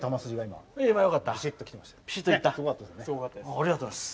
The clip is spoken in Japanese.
ありがとうございます。